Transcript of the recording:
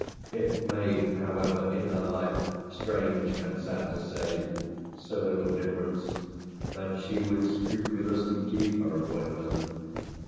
It made however in her life, strange and sad to say, so little difference that she would scrupulously keep her appointment.